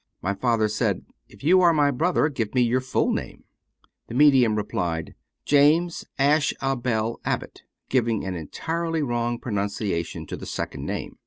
My father said, "If you are my brother, give me your full name." The medium replied, " James Ash a bell Abbott," giving an en tirely wrong pronunciation of the second name.